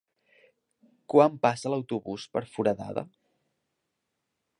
Quan passa l'autobús per Foradada?